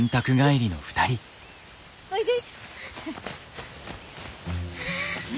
おいで。